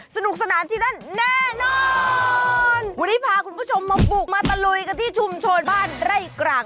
สนุกสนานที่นั่นแน่นอนวันนี้พาคุณผู้ชมมาบุกมาตะลุยกันที่ชุมชนบ้านไร่กลาง